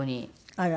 あら。